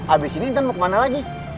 abis ini nanti mau kemana lagi